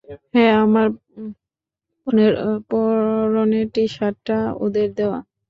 হ্যাঁ, আমার পরনের টি-শার্টটাও ওদের দেয়া।